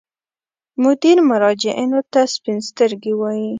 مدیر مراجعینو ته سپین سترګي وایي.